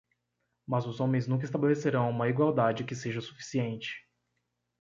Mas os homens nunca estabelecerão uma igualdade que seja suficiente.